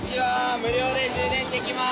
無料で充電できます。